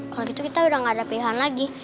kalau gitu kita udah gak ada pilihan lagi